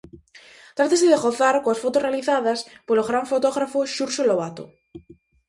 Trátase de gozar coas fotos realizadas polo gran fotógrafo Xurxo lobato.